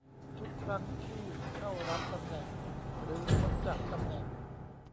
ทุกครั้งที่เข้ารับตำแหน่งหรือพ้นจากตำแหน่ง